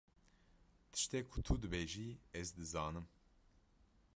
Tiştê ku tu dibêjî ez dizanim.